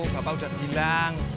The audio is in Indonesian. bapak udah bilang